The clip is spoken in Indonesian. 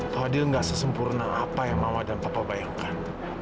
fadil gak sesempurna apa yang mama dan papa bayangkan